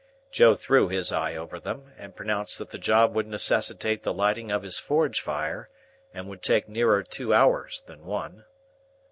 Joe threw his eye over them, and pronounced that the job would necessitate the lighting of his forge fire, and would take nearer two hours than one.